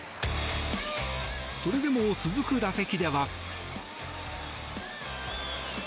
それでも続く打席では。